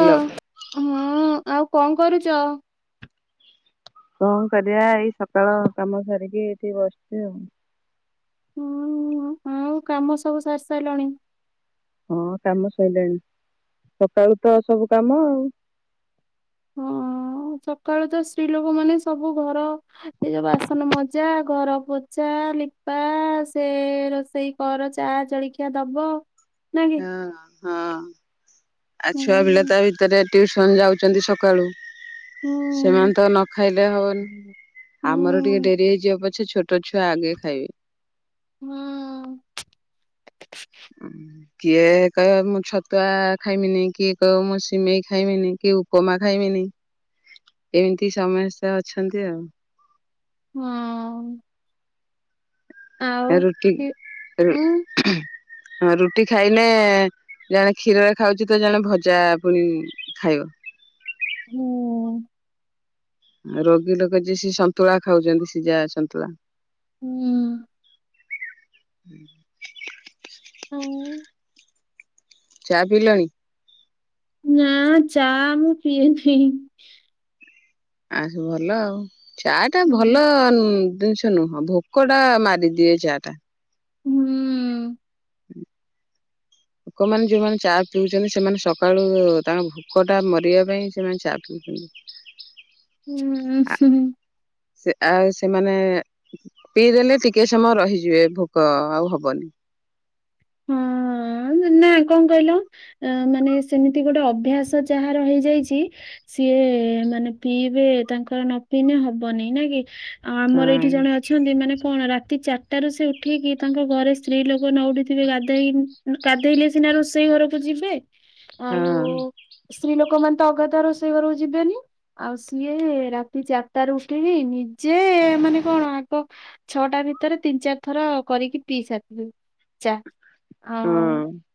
ଅ ହଁ ଆଉ କଣ କରୁଛ? କଣ କରିବା ଏଇ ସକାଳ କାମ ସାରିକି ଏଇଠି ବସିଛି ଆଉ। ହୁଁ ମୁଁ କାମ ସବୁ ସାରି ସାରିଲଣି। ହଁ କାମ ସଇଲାଣି ସକାଳୁ ତ ସବୁ କାମ ଆଉ। ହଁ ସକାଳୁ ତ ସ୍ତ୍ରୀ ଲୋକ ମାନେ ସବୁ ଘର ଏ ଯୋଉ ବାସନ ମଜା ଘର ପୋଛା ଲିପା ସେ ରୋଷେଇ କର ଚା ଜଳଖିଆ ଦବ ନା କି? ହଁ ହଁ ଆ ଛୁଆ ପିଲା ହୁଁ ତା ଭିତରେ ଟ୍ୟୁସନ ଯାଉଛନ୍ତି ସକାଳୁ। ହୁଁ ସେମାନେ ତ ନ ଖାଇଲେ ହଉନି ହୁଁ ଆମର ଟିକେ ଡେରି ହେଇଯିବ ପ ସେ ଛୋଟ ଛୁଆ ଆଗେ ଖାଇବେ। ହୁଁ। କିଏ କହିବ ମୁଁ ଛତୁଆ ଖାଇମିନି କିଏ କହିବ ମୁଁ ସିମେଇ ଖାଇମିନି କିଏ ଉପମା ଖାଇମିନି ଏମିତି ସମସ୍ତେ ଅଛନ୍ତି ଆଉ। ହୁଁ। ଆ ରୁଟି କି ରୁ ଉଁ ହଁ ରୁଟି ଖାଇଲେ ଜଣେ କ୍ଷୀରରେ ଖାଉଛି ତ ଜଣେ ଭଜା ପୁଣି ଖାଇବ। ହୁଁ। ରୋଗୀ ଲୋକ ଯିଏ ସେ ସନ୍ତୁଳା ଖାଉଛନ୍ତି ସିଜା ସନ୍ତୁଳା। ହୁଁ। [unintelligible] ଆଉ ଚା ପିଇିଲଣି? ନା ଚା ମୁଁ ପିଏନାଇ। ଆସ ଭଲ ଆଉ। ଚା ଟା ହୁଁ ଭଲ। ଜିନିଷ ନୁହଁ ଭୋକଟା ମାରିଦିଏ ଚା ଟା। ହୁଁ। ଲୋକମାନେ ଯୋଉମାନେ ଚା ପିଉଛନ୍ତି ସେମାନେ ସକାଳୁ ତାଙ୍କ ଭୋକ ଟା ମରିବା ପାଇଁ ସେମାନେ ଚା ପିଉଛନ୍ତି। ହୁଁ। ଆ ସେ ଆଉ ସେମାନେ ପିଇଦେଲେ ଟିକେ ସମୟ ରହିଯିବେ ଭୋକ ଆଉ ହବନି। ହଁ ନା କଣ କହିଲ ମାନେ ସେମିତି ଗୋଟେ ଅଭ୍ୟାସ ଯାହାର ର ହେଇଯାଇଛି ସିଏ ମାନେ ପିଇବେ ତାଙ୍କର ନ ପିଇନେ ହବନି ନାଇ କି। ଆଉ ଆମର ହଁ ଏଇଠି ଜଣେ ଅଛନ୍ତି ମାନେ କଣ ରାତି ଚାରିଟା ରୁ ସେ ଉଠେଇକି ତାଙ୍କ ଘରେ ସ୍ତ୍ରୀ ଲୋକ ନ ଉଠି ଥିବେ ଗାଧୋଇ ଗାଧୋଇଲେ ସିନା ରୋଷେଇ ଘରକୁ ଯିବେ। ଆଉ ହଁ। ସ୍ତ୍ରୀ ଲୋକମାନେ ତ ଅଗାଧୁଆ ରୋଷେଇ ଘରକୁ ଯିବେନି ଆଉ ସିଏ ରାତି ଚାରିଟା ରୁ ଉଠି କି ନିଜେ ମାନେ କଣ ଆଗ ଛଅଟା ଭିତରେ ତିନି ଚାରି ଥର କରିକି ପିଇ ସାରିିଥିବେ। ଚା ଆଉ। ହଁ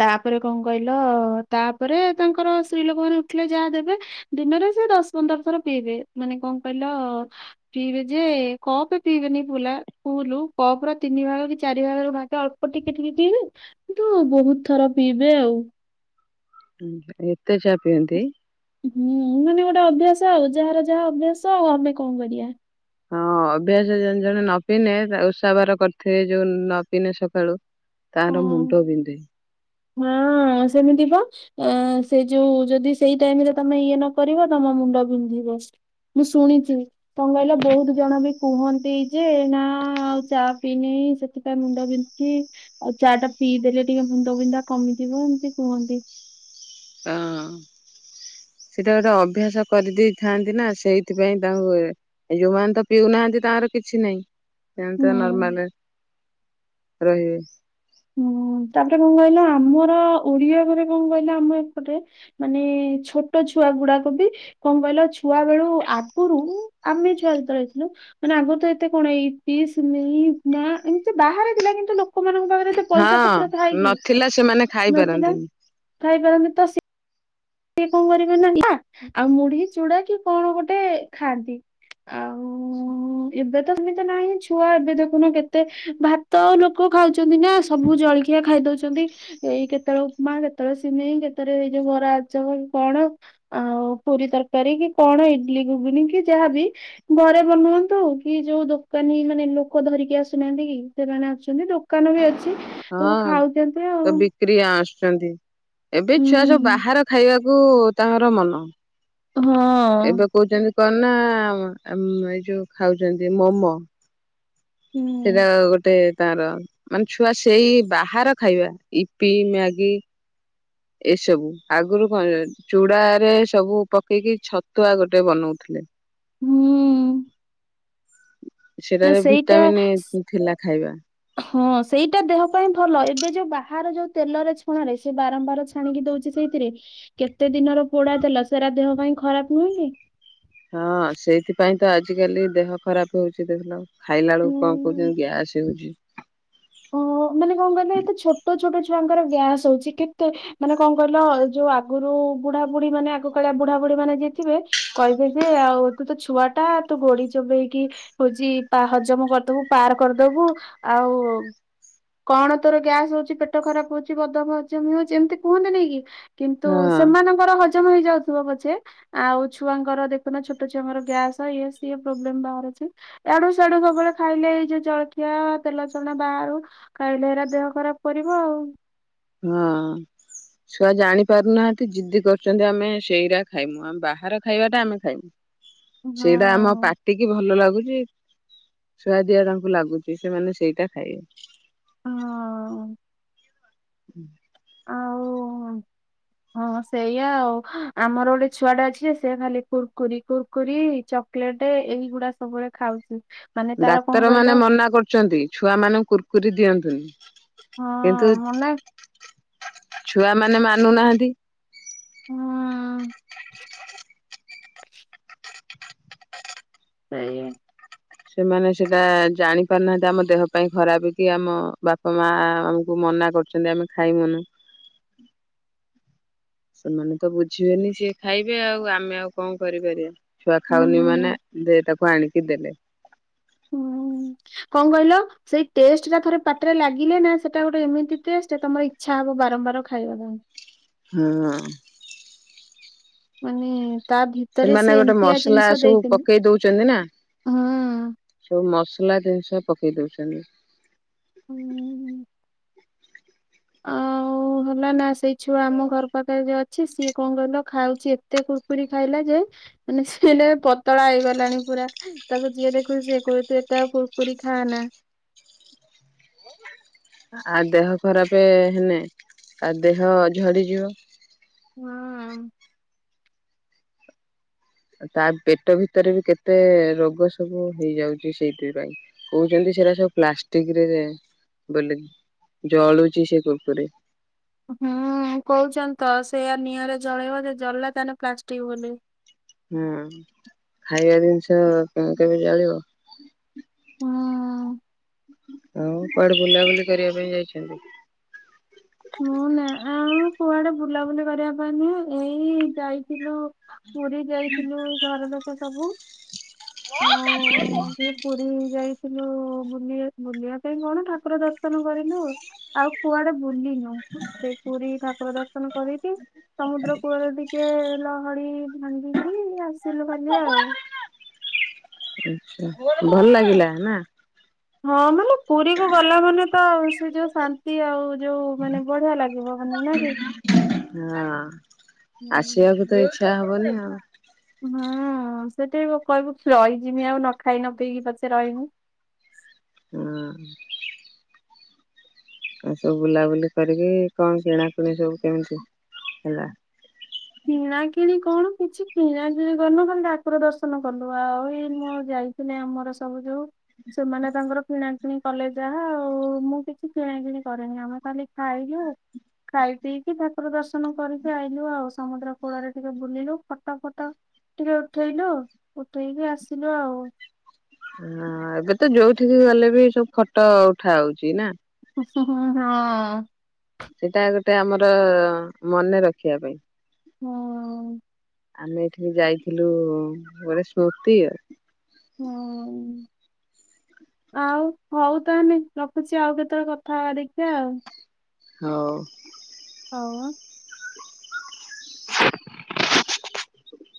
ତାପରେ କଣ କହିଲ ତାପରେ ତାଙ୍କର ସ୍ତ୍ରୀ ଲୋକ ମାନେ ଉଠିଲେ ଯାହା ଦେବେ ଦିନରେ ସେ ଦଶ ପନ୍ଦର ଥର ପିଇବେ ମାନେ କଣ କହିଲ ପିଇବେ ଯେ କପେ ପିଇବେନି ପୁଲା ଫୁଲୁ କପ ର ତିନି ଭାଗ କି ଚାରି ଭାଗରୁ ଭା ଅଳ୍ପ ଟିକେ ଟିକେ ପିଇବେ କିନ୍ତୁ ବହୁତ ଥର ପିଇବେ ଆଉ। ଏତେ ଚା ପିଅନ୍ତି? ହୁଁ ମାନେ ଗୋଟେ ଅଭ୍ୟାସ ଆଉ ଯାହାର ଯାହା ଅଭ୍ୟାସ ଆଉ ଆମେ କଣ କରିବା। ହଁ ଅଭ୍ୟାସ ଜଣେ ଜଣେ ନ ପିନେ ଓଷାବାର କରିଥିବେ ଯୋଉ ନ ପିନେ ସକାଳୁ ତାର ହଁ ମୁଣ୍ଡ ବିନ୍ଧେ। ହଁ ସେମିତି ବା ସେ ଯୋଉ ଯଦି ସେଇ ଟାଇମ ରେ ତମେ ଇଏ ନ କରିବ ତମ ମୁଣ୍ଡ ବିନ୍ଧିବ ମୁଁ ଶୁଣିଛି କଣ କହିଲ ବହୁତ ଜଣ ବି କୁହନ୍ତି ଯେ ନା ଆଉ ଚା ପିଇନି ସେଥିପାଇଁ ମୁଣ୍ଡ ବିନ୍ଧୁଛି ଆଉ ଚା ଟା ପିଇଦେଲେ ଟିକେ ମୁଣ୍ଡ ବିନ୍ଧା କମିଯିବ ଏମିତି କୁହନ୍ତି। ହଁ ସେଟା ଗୋଟେ ଅଭ୍ୟାସ କରିଦେଇଥାନ୍ତି ନା ସେଇଥିପାଇଁ ତାଙ୍କୁ ଯୋଉମାନେ ତ ପିଉନାହାନ୍ତି ତାଙ୍କର କିଛି ନାହିଁ। ଏମିତି ହୁଁ। ନର୍ମାଲ ରହିବେ। ହୁଁ ତାପରେ କଣ କହିଲ ଆମର ଓଡିଆ ଘରେ କଣ କହିଲ ଆମ ଏପଟେ ମାନେ ଛୋଟ ଛୁଆ ଗୁଡାକ ବି କଣ କହିଲ ଛୁଆ ବେଳୁ ଆଗରୁ ଆମେ ଛୁଆ ଯେତେବେଳେ ହେଇଥିଲୁ ମାନେ ଆଗରୁ ତ ଏତେ କଣ ଇପି, ସିମେଇ, ଉପମା ଏମିତି ବାହାରି ଥିଲା କିନ୍ତୁ ଲୋକମାନଙ୍କ ପାଖରେ ଏତେ ପଇସା ପତ୍ର ଥାଏ ହଁ କି ନଥିଲା ସେମାନେ ନଥିଲା ଖାଇପାରନ୍ତିନି। ଥାଇପାରନ୍ତି ତ ସେ ସିଏ କଣ କରିବ ନା ଆଉ ମୁଢି ଚୂଡା କି କଣ ଗୋଟେ ଖାଆନ୍ତି। ଆଉ ଏବେ ତ ଏମିତି ନାହିଁ ଛୁଆ ଏବେ ଦେଖୁନ କେତେ ଭାତ ଲୋକ ଖାଉଛନ୍ତି ନା ସବୁ ଜଳଖିଆ ଖାଇ ଦଉଛନ୍ତି ଏଇ କେତେବେଳେ ଉପମା କେତେବେଳେ ସିମେଇ କେତେବେଳେ ଏଇ ଯୋଉ ବରା କଣ ଆଉ ପୁରୀ ତରକାରୀ କି କଣ ଇଡଲି ଘୁଗୁନ କି ଯାହାବି ଘରେ ବନାନ୍ତୁ କି ଯୋଉ ଦୋକାନୀ ମାନେ ଲୋକ ଧରିକି ଆସୁନାହାନ୍ତି କି ସେମାନେ ଆସୁଛନ୍ତି ଦୋକାନ ବି ଅଛି। ସବୁ ହଁ ଖାଉଛନ୍ତି ଆଉ। ତ ବିକ୍ରି ଆସୁଛନ୍ତି ଏବେ ହୁଁ ଛୁଆ ସବୁ ହୁଁ। ବାହାର ଖାଇବା କୁ ତାଙ୍କର ମନ। ଏବେ କହୁଛନ୍ତି ହଁ। କଣ ନା ଏ ଯୋଉ ଖାଉଛନ୍ତି ମୋମୋ ହୁଁ ସେଇଟା ଗୋଟେ ତାର ମାନେ ଛୁଆ ସେଇ ବାହାର ଖାଇବା ଇପି ମ୍ୟାଗି ଏସବୁ ଆଗରୁ କଣ ଚୁଡା ରେ ସବୁ ପକେଇକି ଛତୁଆ ଗୋଟେ ବନଉଥିଲେ। ହୁଁ। ନା ସେଟାରେ ସେଇଟା ଭିଟାମିନ ଥିଲା ଖାଇବା। ହଁ ସେଇଟା ଦେହ ପାଇଁ ଭଲ ଏବେ ଯୋଉ ବାହାର ଯୋଉ ତେଲରେ ଛଣ ରେ ସେ ବାରମ୍ବାର ଛାଣିକି ଦଉଛି ସେଇଥିରେ କେତେ ଦିନର ପୋଡା ତେଲ ସେଟା ଦେହ ପାଇଁ ଖରାପ ନୁହେଁ କି। ହଁ ସେଇଥିପାଇଁ ତ ଆଜିକାଲି ଦେହ ଖରାପ ହଉଛି ଦେଖିଲ ଖାଇଲା ବେଳକୁ କଣ କହୁଛନ୍ତି ହୁଁ। ଗ୍ୟାସ୍ ହେଉଛି। ହଁ ମାନେ କଣ କହିଲ ଏତେ ଛୋଟ ଛୋଟ ଛୋ ଛୁଆଙ୍କର ଗ୍ୟାସ ହଉଛି କେତେ ମାନେ କଣ କହିଲ ଯୋଉ ଆଗରୁ ବୁଢା ବୁଢୀ ମାନେ ଆଗ କାଳିଆ ବୁଢା ବୁଢୀ ମାନେ ଯିଏ ଥିବେ କହିବେ ଯେ ତୁ ତୋ ଛୁଆ ଟା ତୁ ଗୋଡି ଚୋବେଇକି ହଉଛି ହଜମ କରିଦବୁ ପାର କରିଦବୁ ଆଉ କଣ ତୋର ଗ୍ୟାସ ହଉଚି ପେଟ ଖରାପ ହଉଛି ବଦହଜମି ହଉଛି ଏମିତି କୁହନ୍ତିନି କି। କିନ୍ତୁ ହଁ ସେମାନଙ୍କର ହ ହଜମ ହେଇଯାଉଥିବ ପଛେ ଆଉ ଛୁଆଙ୍କର ଦେଖୁନ ଛୋଟ ଛୁଆଙ୍କର ଗ୍ୟାସ ଇଏ ସିଏ ପ୍ରୋବ୍ଲେମ ବାହରୁଚି ଆଡୁ ସେଆଡୁ ସବୁବେଳେ ଖାଇଲେ ଏଇ ଜଳଖିଆ ତେଲ ଛଣା ବାହାରୁ ଖାଇଲେ ହେରା ଦେହ ଖରାପ କରିବ ଆଉ। ହଁ ଛୁଆ ଜାଣି ପାରୁନାହାନ୍ତି ଯିଦି କରୁଛନ୍ତି ଆମେ ସେଇରା ଖାଇବୁ ଆମେ ବାହାର ଖାଇବାଟା ଆମେ ଖାଇବୁ। ସେଇଟା ଆମ ହଁ ପାଟିକି ଭଲ ଲାଗୁ ସୁଆଦିଆ ତାଙ୍କୁ ଲାଗୁଛି ସେମାନେ ସେଇଟା ଖାଇବେ। ହଁ [inaudible] ଆଉ ହଁ ସେଇଆ ଆଉ ଆମର ଗୋଟେ ଛୁଆ ଟା ଅଛି ସେ ଖାଲି କୁୁରକୁରି କୁୁରକୁରି ଚକୋଲେଟ ଏଇଗୁଡା ସବୁବେଳେ ଖାଉଛି। ମାନେ ତାର କଣ ଡାକ୍ତର ମାନେ କହିଲ ମନା କରୁଛନ୍ତି ଛୁଆ ମାନଙ୍କୁ କୁର୍କୁରି ଦିଅନ ତୁନି। ହଁ ମନା ଛୁଆ ମାନେ ମାନୁନାହାନ୍ତି। ହଁ ସେଇଆ। ସେମାନେ ସେଇଟା ଜାଣି ପାରୁନାହାନ୍ତି ଆମ ଦେହ ପାଇଁ ଖରାପ କି ଆମ ବାପା ମା ଆମକୁ ମନା କରୁଛନ୍ତି ଆମେ ଖାଇମୁନୁ। ସେମାନେ ତ ବୁଝିବେନି ସିଏ ଖାଇବେ ଆଉ ଆମେ ଆଉ କଣ କରିପାରିବା। ଛୁଆ ହୁଁ ଖାଉନି ମାନେ ଦେ ତାକୁ। ଆଣିିକି ଦେଲେ। ହୁଁ କଣ କହିଲ ସେଇ ଟେଷ୍ଟ ଟା ଥରେ ପାଟିରେ ଲାଗିଲେ ନା ସେଟା ଗୋଟେ ଏମିତି ଟେଷ୍ଟ ତମର ଇଛା ହବ ବାରମ୍ବାର ଖାଇବା ପାଇଁ। ହୁଁ। ମାନେ। ତା ଭିତରେ ସେମାନେ ସେ ଗୋଟେ ଏମିତିଆ ମସଲା ଜିନିଷ ସବୁ ଦେଇଛନ୍ତି ପକେଇ ଦଉଛନ୍ତି ନା ହଁ ସବୁ ମସ ସଲା ଜିନିଷ ପକେଇ ଦଉଛନ୍ତି। ହୁଁ। ଆଉ ହେଲା ନା ସେଇ ଛୁଆ ଆମ ଘର ପାଖରେ ଯିଏ ଅଛି ସିଏ କଣ କହିଲ ଖାଉଛି ଏତେ କୁରକୁରି ଖାଇଲା ଯେ ମାନେ ସିଏଏଇନେ ପତଳା ହେଇଗଲାଣି ପୁରା ତାକୁ ଯିଏ ଦେଖୁଚି ସିଏ କହୁଚି ତୁ ଏତେ ଆଉ କୁୁରକୁରି ଖା ନା। ଆ ଦେହ ଖରାପ ହେନେ ଆ ଦେହ ଝଡିଯିବ। ହୁଁ। ତା ପେଟ ଭିତରେ ବି କେତେ ରୋଗ ସବୁ ହେଇଯାଉଛି ସେଇଥିପାଇଁ କହୁଛନ୍ତି ସେରା ସବୁ ପ୍ଲାଷ୍ଟିକ ରେ ବୋଲିକି ଜଳ ହୁଁ କହୁଛନ୍ତି ତ ସେୟା ନିଆଁରେ ଜଳେଇବ ଯଦି ଜଳିଲା ତାଲେ ପ୍ଲାଷ୍ଟିକ ବୋଲି। ହୁଁ ଖାଇବା ଜିନିଷ କେ କେବେ ଜଳିବ। ହଁ। ହଉ କୁଆଡେ ବୁଲାବୁଲି କରିବା ପାଇଁ ଯାଇଛନ୍ତି। ମୁଁ ନା ଆଉ କୁଆଡେ ବୁଲାବୁଲି କରିବା ପାଇଁ ନୁ ଏଇ ଯାଇଥିଲୁ। ପୁରୀ ଯାଇଥିଲୁ ଘର ଲୋକ ସବୁ। ହ [unintelligible] ଥିଲୁ ବୁଲିବା ବୁଲିବା ପାଇଁ କଣ ଠାକୁର ଦର୍ଶନ କରିଲୁ ଆଉ କୁଆଡେ ବୁଲିୁନୁ। ସେ ପୁରୀ ଠାକୁର ଦର୍ଶନ କରିକି ସମୁଦ୍ର କୂଳରେ ଟିକେ। ଲହଡି ଭାଙ୍ଗିକି ଆସିଲୁ ଖାଲି ଆଉ। ଭଲ ଲାଗିଲା ନା। ହଁ ମାନେ। ପୁରୀ କୁ ଗଲା ମାନେ ତ। ସେ ଯୋଉ ଶାନ୍ତି ଆଉ। ଯୋଉ ମାନେ ବଢିଆ ଲାଗିବ ମାନେ ନା କି। ହଁ। ଛା ହବନି ଆଉ। ହୁଁ ସେଠି କହିବୁ ରହିଯମି ଆଉ ନ ଖାଇ ନ ପିଇକି ପଛେ ରହିମି। ହୁଁ। ଆଉ ସବୁ ବୁଲାବୁଲି କରିକି କଣ କିଣାକିଣି ସବୁ କେମିତି ହେଲା। କିଣା କିିଣି କଣ କିଛି କିଣା କିିଣି କରିନୁ ଖାଲି ଠାକୁର ଦର୍ଶନ କଲୁ ଆଉ ଏଇ ମୁ ଆଉ ଯାଇଥିଲି ଆମର ସବୁ ଯୋଉ। ସେମାନେ ତାଙ୍କର କିଣା କି କଲେ ଯାହା ଆଉ ମୁଁ କିଛି କିଣା କିିଣି କରିରେନି ଆମେ ଖାଲି ଖାଇଲୁ ଖାଇ ପିକି ଠାକୁର ଦର୍ଶନ କରିକି ଆଇଲୁ ଆଉ। ସମୁଦ୍ର କୂଳରେ ଟିକେ ବୁଲିଲୁ ଫଟ ଫଟ ଟିକେ ଉଠେଇଲୁ ଉଠେଇକି ଆସିଲୁ ଆଉ। ହ ଏବେ ତ ଯୋଉଠିକି ଗଲେ ବି ସବୁ ଫଟୋ ଉଠା ହଉଛି ନା? ହୁଁ ହୁଁ ହଁ। ସେଇଟା ଗୋଟେ ଆମର ମନେ ରଖିବା ପାଇଁ ହୁଁ। ଆମେ ଏଠିକି ଯାଇଥିଲୁ ଗୋଟେ ସ୍ମୃତି ଆଉ। ହୁଁ ଆଉ ହଉ ତାହଲେ ରଖୁଛି ଆଉ କେତେବେଳେ କଥା ହେବା ଦେଖିବା ଆଉ। ହୋଉ। ହୋଉ ଆଁ।